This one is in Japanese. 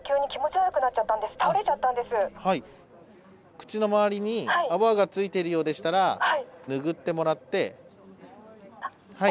口の周りに泡が付いているようでしたらぬぐってもらって。